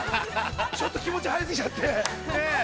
ちょっと気持ち、入ってきちゃって。